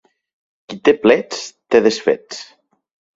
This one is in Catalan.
Qui té plets té desfets.